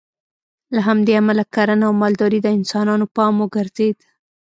له همدې امله کرنه او مالداري د انسانانو پام وګرځېد